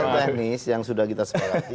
ada hal teknis yang sudah kita sepahami